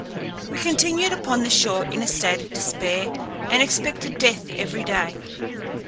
We continued upon the shore in a state of despair, and expected death every day.